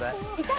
痛い。